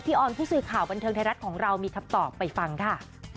ออนผู้สื่อข่าวบันเทิงไทยรัฐของเรามีคำตอบไปฟังค่ะ